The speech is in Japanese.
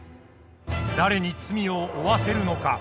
誰に罪を負わせるのか？